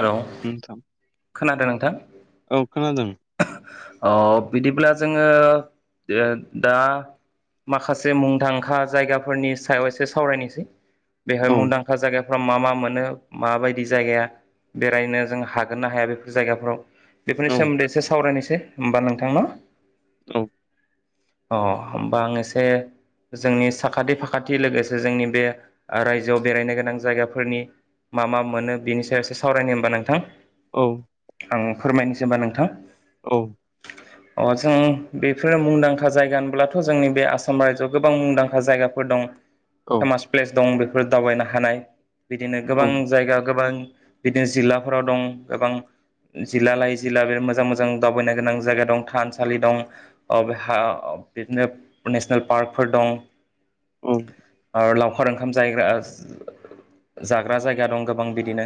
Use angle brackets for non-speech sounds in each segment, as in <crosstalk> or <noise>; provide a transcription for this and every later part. Hello नोंथाम खोनादों नोंथां अ बिदि दा जोङो दा माखासे मुंदांखा जायगाफोरनि सायाव एसे सावरायनोसै बेहाय औ मुंदांखा जायगाफोराव मा मा मोनो माबायदि जायगाया बेरायनो जों हागोन ना हाया बेफोर जायगाफोराव बेफोरनि औ सोमोन्दै एसे सावरायनोसै होनबा नोंथां न' औ अ होमबा आं एसे जोंनि साखाथि फाखाथि लोगोसे जोंनि बे रायजोआव बेरायनो गोनां जायगाफोरनि मा मा मोनो बिनि सायावसो सावरायनो होनबा नोंथां औ आं फोरमायनोसै होनबा नोंथां औ अ जों बेफोरो मुंदांखा जायगा होनब्लाथ' जोंनि बे आसाम रायजोआव गोबां मुंदांखा जायगाफोर फोर दं औ फेमास प्लेस दं बेफोर दावबायनो हानाय बिदिनो औ गोबां जायगा गोबां बिदिनो जिल्लाफोराव दं गोबां जिल्ला लायै जिल्ला बेबादि मोजां मोजां। जों दावबायानो गोनां जायगा दं थानसालि दं बिदिनो नेसनेल पार्क। फोर दं औ आरो लावखार। लावखार ओंखाम जाहैग्रा जाग्रा जायगा दं गोबां बिदिनो।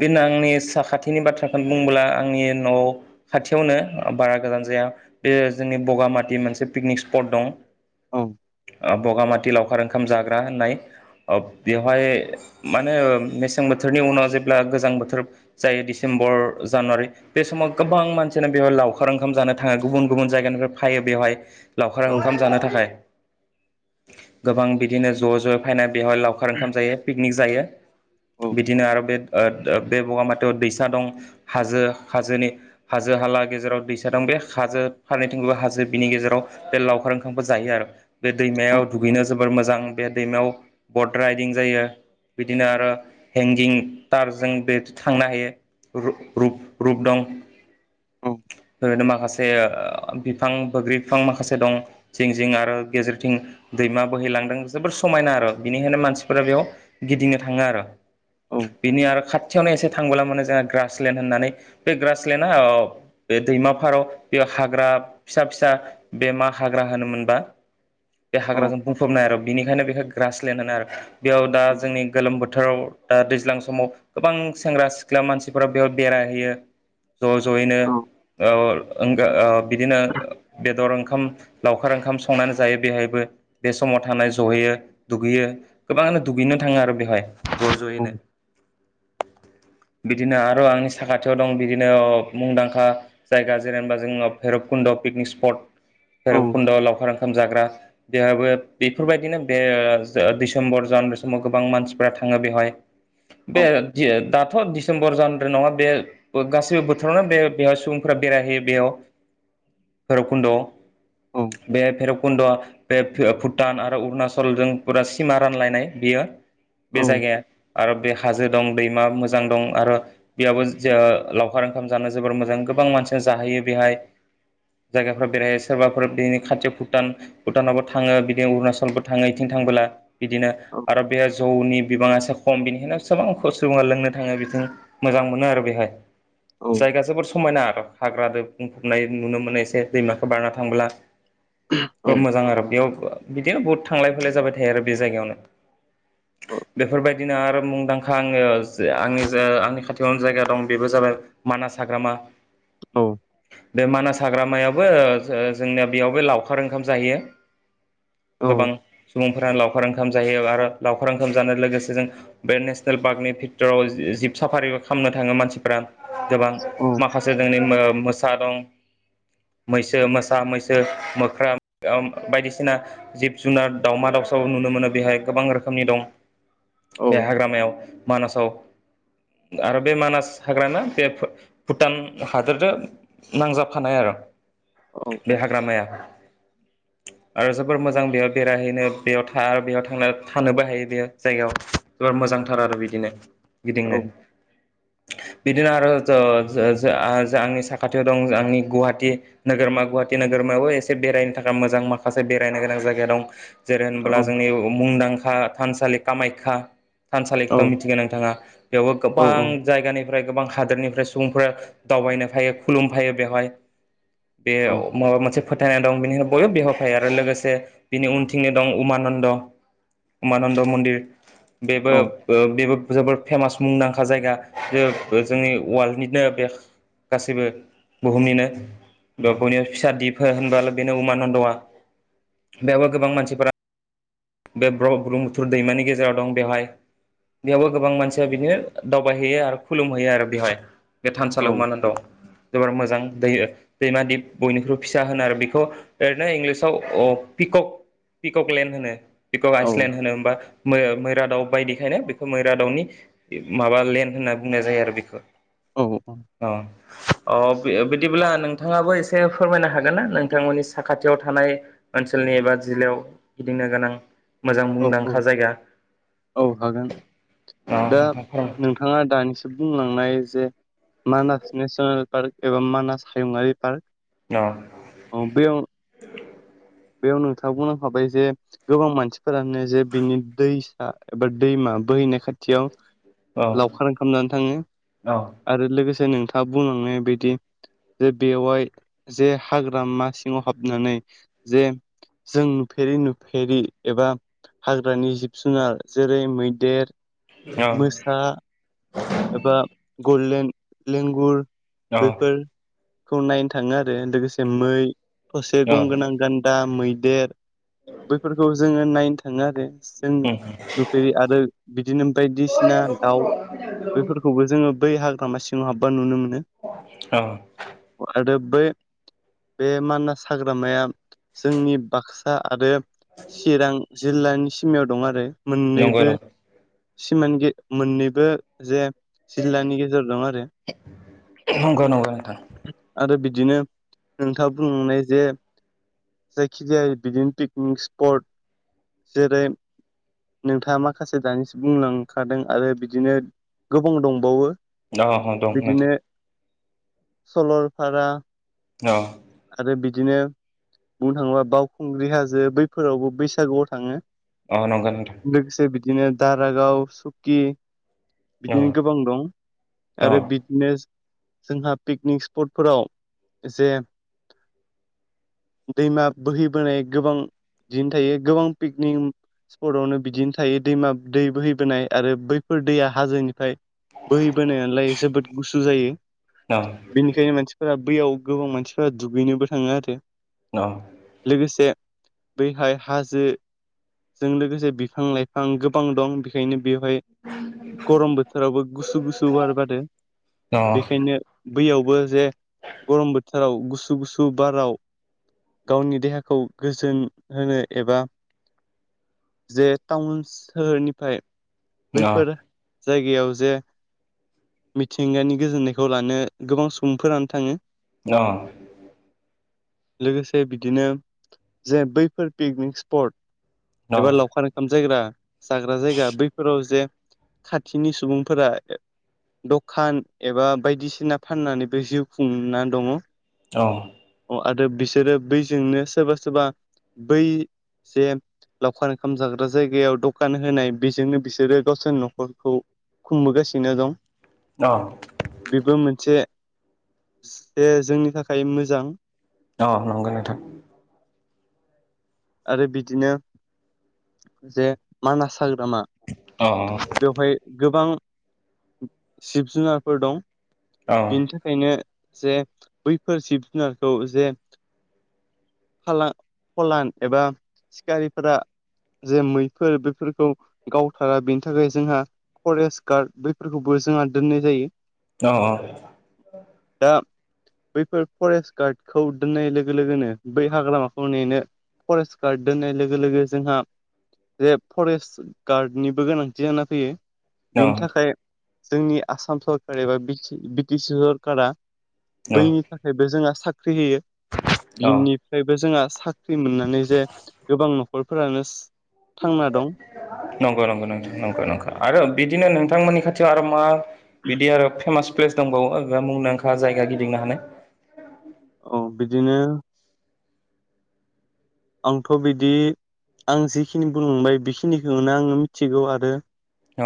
बेनो आंनि साखाथिनि बाथ्राखौनो बुब्ला आंनि न'आव। खाथियावनो बारा गोजान जाया बे जोंनि बगामाथि मोनसे पिकनिक स्पट दं। औ औ आ बगामाथि। थि लावखार ओंखाम जाग्रा होननाय ओ बेवहाय माने मेसें बोथोरनि उनाव जे जाब्ला गोजां बोथोर जायो डिसेम्बर जानुवारि बे समाव। गोबां मानसियानो बेवहाय लावखार ओंखाम जानो थांङो गुबुन गुबुन जायगानिफ्राय फायो बेवहाय। लावखार ओंखाम जानो थाखाय गोबां बिदिनो ज' ज' फायनाय। बेवहाय लावखार ओंखाम जायो पिकनिक जायो। बिदिनो आरो बे बे बगामाथियाव दैसा दं हाजो हाजोनि। हाजो हाला गेजेराव दैसा दं बे हाजो फारनैथिंबो हाजो बिनि गेजेराव बे लावखार ओंखामखौ जायो आरो बे दैमायाव दुगैनो जोबोर मोजां बे दैमायाव बट राइदिं जायो बिदिनो आरो हेंगिं तारजों बे थांनो हायो रु रुप रुप दं। ओरैनो माखासे ओ बिफां बोग्रि बिफां माखासे दं जिं जिं आरो गेजेरथिं। दैमा बोहैलांदों जोबोर समायना आरो बिनिखायनो मानसिफोरा बेयाव गिदिंनो थांङो आरो। बिनि आरो खाथियावनो एसे थांबोलानो मोनो जोंहा ग्रासलेण्ड होननानै बे ग्रास ग्रासलेण्ड बे दैमा फाराव बेयाव हाग्रा फिसा फिसा बे मा हाग्रा होनोमोन। बा बे हाग्राखोनो बुंफबनाय आरो बिनिखायनो बेखौ ग्रासलेणड होनो आरो। बेयाव दा जोंनि गोलोम बोथोर। बोथोराव दा दैज्लां समाव गोबां सेंग्रा सिख्ला मानसिफोरा बेयाव बेरायहयो। ज' ज'यैनो ओ ओ बिदिनो बेदर ओंखाम लावखार ओंखाम संनानै जायो बेहायबो बे समाव थानाय जहैयो दुगैयो गोबांङानो दुगैनो थांङो आरो बेवहाय। ज' ज'यैनो बिदिनो आरो आंनि साखाथियाव दं बिदि। औ मुंदांखा जायगा जेनेबा जोंनाव भैरबकुन्द' पिकनिक स्पट भैरबकुन्द'आव लावखार ओंखाम जाग्रा बेहाबो बेफोरबायदिनो बे दिसेम्बर जानुवारि समाव गोबां मानसिफ्रा थांङो बेवहाय बे दाथ' डिसेम्बर जानुवारि नंङा बे बो गासैबो बोथोरावनो बे बेयाव सुबुंफोरा बेरायहैयो बेयाव भैरबखुन्द' आव। बे भैरबकुन्द बे भुटान आरो अरुणाचलजों फुरा सिमा रानलायनाय बेयो बे जायगाया आरो बे हाजो दं दैमा मोजां दं आरो बेयावबो जो लावखार ओंखाम जानो जोबोर मोजां गोबां मानसिया जाहैयो बेहाय जायगाफोर बेरायहायो सोरबाफोर बिदिनि खाथि भुटान भुटानावबो थांङो बिदिनो अरुणाचलबो थांङो। थांबोला बिदिनो औ आरो बे जौनि बिबांङासो खम बेनिखायनो गोबां सुबुंङा लोंनो थांङो बिथिं मोजां मोनो आरो बेहाय जायगा जोबोर समायना आरो हाग्राजों बुंफबनाय नुनो मोनायसै दैमाखौ बारना थांब्ला खोब मोजां आरो बेयाव बिदिनो बहुद थांलाय फैलाय जाबाय थायो आरो बे जायगायावनो बेफोरबायदिनो आरो मुंदांखा आंंङो आंनि जा आंनि खाथियावनो जायगा दं बेबो जाबाय मानास हाग्रामा बे मानास हाग्रामायाबो ओ जों-जोंनिया बेयावबो लावखार ओंखाम जाहैयो गोबां सुबुंफोरा लावखार ओं ओंखाम जायो आरो लावखार ओंखाम जानो लोगोसे जों बे नेसनेल पार्कनि भिटोराव जिब साफारिबो खालामनो नो थांङो मानसिफोरा गोबां माखासे जोंनि मोसा दं मैसो मोसा मैसो मोख्रा बायदिसिना जिब जुनार दावमा दाउ सब नुनो मोनो बेहाय गोबां रोखोमनि दं। बे हाग्रामायाव मानासाव आरो बे मानास हाग्राना। बे भुटान हादोरजों नांजाबखानाय आरो। बे हाग्रामाया। आरो जोबोर मोजां बेयाव बेरायहैनो बेयाव थां आरो बेयाव थांना थानोबो हायो बेयो जायगायाव। मोजांथार आरो बिदिनो औ गिदिंनो। बिदिनो आरो <unintelligible> आंनि साखाथियाव दंं आंनि गुवाहाटी नोगोरमा गुवाहाटी नोगोरमा। एसे बेरायनो थाखाय मोजां माखासे बेरायनो गोनां जायगा दं। जेरै होनोब्ला जोंनि मुंदांखा थानसालि कामाख्या। थानसालिखो मिथिगोन नोंथाङा बेयावबो गोबां जायगानि गोबां हादोरनिफ्राय सुबुंफोरा दावबायनो फायो खुलुमफायो बेवहाय। बे माबा मोनसे। फोथायनाय दं बिनिफ्राय बयबो बेहाव फायो आरो लोगोसे बिनि उनथिंनो दं उमानन्द। उमानन्द मन्दिर। बेबो बेबो जोबोद फेमास मुंदांखा जायगा। जोंनि अवालनिनो बे गासैबो बुहुमनिनो <unintelligible> फिसा दिप होनबा बेनो उम्मान्द आ बेयावबो गोबां मानसिफोरा। बे ब्र ब्रम्हपुथुर दैमानि गेजेराव दं बेहाय बेयावबो गोबां मानसिया बिदिनो दावबायहैयो आरो खुलुमहैयो आरो बेवहाय। बे थानसालिया उम्मान्द। जोबोर मोजां दै दैमा दिप बयनिख्रुइबो फिसा होनो आरो बेखौ ओरैनो इंलिसाव अ पिक। क्क पिककलेण्ड होनो पिकक आइसलेण्ड होनो होनबा। <unintelligible> मैरा दावउ बायदिखायनो बेखौ मैरा दाउनि माबा लेन्ड होनना बुंनाय जायो आरो बेखौ। अ। अ बिदिब्ला नोंथाङाबो एसे फोरमायनो हागोन ना नोंथांमोननि साखाथियाव थानाय ओनसोल एबा जिल्लायाव गिदिंनो गोनां। मोजां औ मुंदांखा जायगा। औ हागोन अ दा नोंथां फोरमाय नोंथाङा दानिसो बुंलांनाय जे मानास नेसनेल पार्क एबा मानास हायुङारि पार्क अ औ बेयाव। बेयाव नोंथाङा बुलांखाबाय जे गोबां मानसिफोरानो जे बिनि दैसा एबा दैमा। बोहैनाय खाथियाव औ लावखार ओंखाम जानो थाङो आरो लोगोसे नोंथाङा बुंलांनाय बायदि जे बेवहाय जे हाग्रामा सिङाव हाबनानै जे जों नुफेरि नुफेरि एबा हाग्रानि जिब जुनार जेरै मैदेर औ मोसा एबा गलेन लेंगुर। औ बेफोरखौ नायनो थाङो आरो लोगोसे मै थसे औ गं गोनां। दा मैदेर बैफोरखौ जोङो नायनो थाङो आरो। जों नुफेरै आरो बिदिनो बायदिसिना दाउ बेफोरखौबो जोङो बै हाग्रामा सिङाव हाबबा नुनो मोनो। औ। आरो बै बे मानास हाग्रामाया जोंनि बाक्सा आरो चिरां जिल्लानि सिमायाव दं आरो नंगौ मोननैबो सिमानि गे मोननैबो जे जिल्लानि गेजेर दं आरो नंगौ नंगौ नोंथां आरो बि बिदिनो नोंथाङा बुंलांनाय जे जायखिजाया बिदिनो पिकनिक स्पट जेरै नोंथाङा माखासे दानिसो बुंलांखादों आरो बिदिनो गोबां दंबावो। <unintelligible> सलरफारा औ आरो बिदिनो बुंनो थाङोबा बावखुंग्रि हाजो बैफोरावबो बैसागुआव थाङो। अ नंगौ नोंथां। लोगोसे बिदिनो दारागाव सुकि औ बिदिनो गोबां दं औ आरो बिदिनो जोंहा पिकनिक स्पटफोराव जे <inaudible> दैमा बोहैबोनाय गोबां दिन थायो गोबां पिकनिक स्पटआवनो बिदिनो थायो दैमा दै बोहैबोनाय आरो बैफोर दैया हाजोनिफ्राय। बोहैबोनाय नालाय जोबोद गुसु जायो औ नंगौ नोंथां औ बेनिखायनो मानसिफोरा बैयाव गोबां मानसिफ्रा दुगैनोबो थाङो आरो लोगोसे बैहाय हाजोजों लोगोसे बिफां लाइफां गोबां दं बेखायनो बेवहाय गरम बोथोरावबो गुसु गुसु बार बार औ बेखायनो बैयावबो जे गरम बोथोराव गुसु गुसु बाराव गावनि देहाखौ गोजोन होनो एबा जे टाउन सोहोरनिफ्राय बैफोर जायगायाव जे मिथिंगानि गोजोननायखौ लानो गोबां सुबुंफोरानो थाङो अह लोगोसे बिदिनो जे बैफोर पिकनिक स्पट एबा लावखार ओंखाम जायग्रा जाग्रा जायगा बैफोराव जे खाथिनि सुबुंफोरा द'खान एबा बायदिसिना फाननानैबो जिउ खुंना दङ औ। आरो बिसोरो बैजोंनो सोरबा सोरबा बै जे लावखार ओंखाम जाग्रा जायगायाव दखान होनाय बेजोंनो बिसोरो गावसोरनि न'खरखौ खुंबोगासिनो दं बेबो मोनसे जोंनि थाखाय मोजां अ नंगौ नोंथां। आरो बिदिनो जे मानास हाग्रामा बेवहाय गोबां जिब जुनारफोर दं बिनि थाखायनो जे बैफोर जिब जुनारखौ जे फलान एबा सिखारिफोरा जे मैफोर बेफोरखौ गावथारा बेनि थाखाय जोंहा फरेस्ट गार्ड बैफोरखौबो जोंहा दोननाय जायो। अह अह दा बैफोर फरेस्ट गार्डखौ दोननाय लोगो लोगोनो बै हाग्रामाखौ नेनो फरेस्ट गार्ड दोननाय लोगो लोगो जोंहा जे फरेस्ट गार्डनिबो गोनांथि जाना फैयो बिनि थाखाय जोंनि आसाम सरखार एबा बि ति बि ति सि सरकारा बैनि थाखायबो जोंहा साख्रि होयो बिनिफ्रायबो जोंहा साख्रि मोननानै जे गोबां न'खरफोरानो थांना दं नंगौ नंगौ नंगौ नंगौं नोंथां आरो बिदिनो नोंथ बिथांमोननि खाथियाव आरो मा बिदि आरो फेमास प्लेस दंबावो मुंदांखा जायगा गिदिंनो हानाय औ बिदिनो आंथ' बिदि आं जिखिनि बुंलांबाय बेखिनिखौनो आङो मिथिगौ आरो अ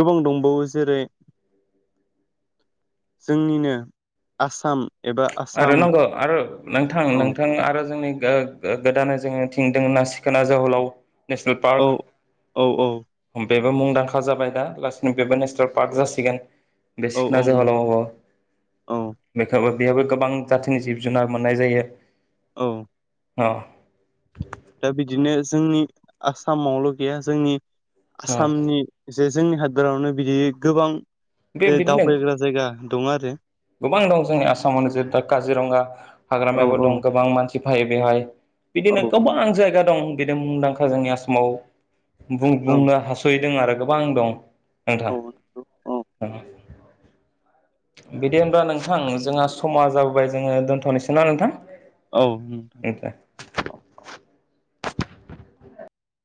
गोबां दं जेरै जोंनिनो आसाम एबा आरो आसाम नंगौ आरो नोंथां औ नोंथां आरो जोंनि ओ गो-गोदानै जोनि थिं दों ना सिखोना जोहोलाव नेसनेल औ पार्क औ औ उम बेबो मुंदांखा जाबाय दा लासैनो बेबो नेसनेल पार्क जासिगोन। बे औ सिखना औ जोहोलाव औ औ बेखौबो बेयावबो गोबां जाथिनि जिब-जुनार मोननाय जायो। औ अ दा बिदिनो जोंनि आसामावल' गैया जोंनि अ आसामनि जे जोंनि हादरावनो बिदि गोबां बे जे बिदिनो दावबायग्रा जायगा दंङ गोबां दं जोंनि आसामावनो जरै-दा काजिरंङगा औ हाग्रामायाबो औ दं गोबां मानसि फायो बेवहाय औ बिदिनो गोबां जायगा दं बिनो मुंदांखा जोंनि आसामाव औ बुं-बुंनो हास'यै दों आरो गोबां दं औ नोंथां। दा औ बिदि होनब्ला नोंथां जोंहा समा जाबोबाय जोङो दोनथ'नोसै ना नोंथां? औ उम <inaudible>